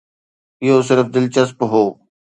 اهو صرف دلچسپ هو.